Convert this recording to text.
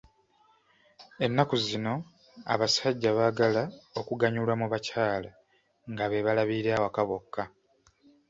Ennaku zino abasajja baagala okuganyulwa mu bakyala nga be balabirira awaka bokka .